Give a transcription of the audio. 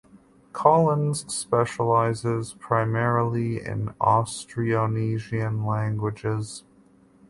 Collins specializes primarily in Austronesian languages.